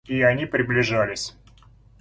И они приближались.